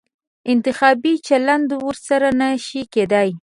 انتخابي چلند ورسره نه شي کېدای.